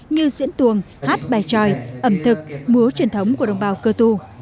như diễn tuồng hát bài tròi ẩm thực múa truyền thống của đồng bào cơ tu